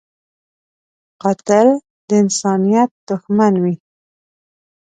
قاتل د انسانیت دښمن وي